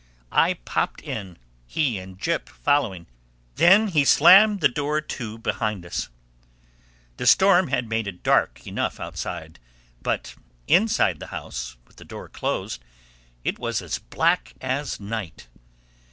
I popped in, he and Jip following. Then he slammed the door to behind us. The storm had made it dark enough outside; but inside the house, with the door closed, it was as black as night.